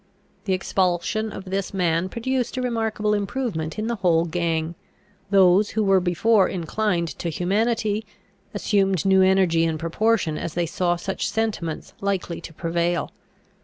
The expulsion of this man produced a remarkable improvement in the whole gang. Those who were before inclined to humanity, assumed new energy in proportion as they saw such sentiments likely to prevail.